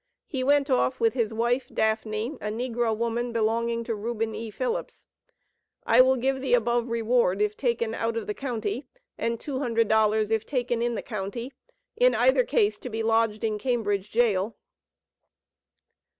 He went off with his wife, DAFFNEY, a negro woman belonging to Reuben E. Phillips. I will give the above reward if taken out of the county, and $200 if taken in the county; in either case to be lodged in Cambridge Jail.